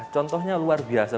contohnya luar biasa